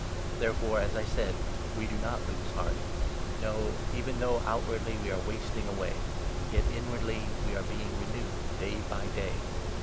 Therefore, as I said, we do not lose heart. No, even though 16 outwardly we are wasting away, yet inwardly we are being renewed day by day.